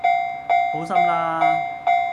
好心啦